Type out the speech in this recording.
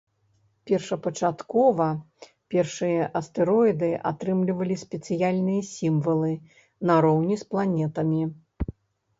Першапачаткова першыя астэроіды атрымлівалі спецыяльныя сімвалы нароўні з планетамі.